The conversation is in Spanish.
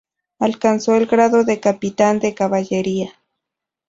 Alcanzó el grado de capitán de caballería.